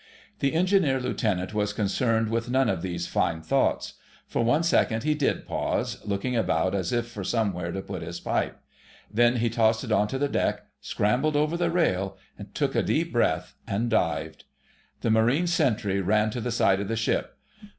The Engineer Lieutenant was concerned with none of these fine thoughts. For one second he did pause, looking about as if for somewhere to put his pipe. Then he tossed it on to the deck, scrambled over the rail, took a deep breath, and dived. The Marine sentry ran to the side of the ship.